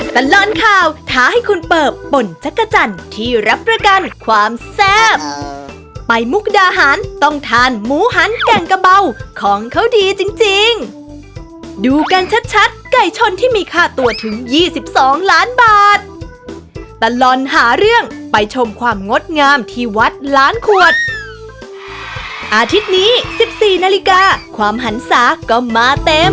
ตลอดข่าวท้าให้คุณเปิบป่นจักรจันทร์ที่รับประกันความแซ่บไปมุกดาหารต้องทานหมูหันแก่งกระเบาของเขาดีจริงจริงดูกันชัดชัดไก่ชนที่มีค่าตัวถึงยี่สิบสองล้านบาทตลอดหาเรื่องไปชมความงดงามที่วัดล้านขวดอาทิตย์นี้สิบสี่นาฬิกาความหันศาก็มาเต็ม